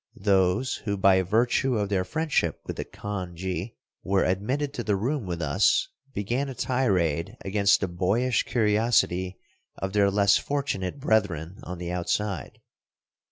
Those who by virtue of their friendship with the khanji were admitted to the room with us began a tirade against the boyish curiosity of their less fortunate brethren on the outside.